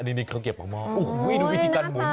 นี่เขาเก็บของหม้อนี่วิธีการหมุน